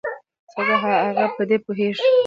ځکه هغه په دې پوهېږي.